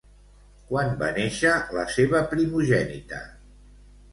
Quan va néixer la seva primogènita?